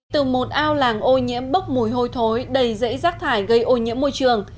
từ một ao làng ô nhiễm bốc mùi hôi thối đầy dãy rác thải gây ô nhiễm môi trường